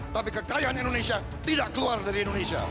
tapi kekayaan indonesia tidak keluar dari indonesia